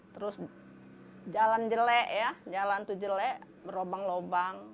terus jalan jelek ya jalan itu jelek berobang lubang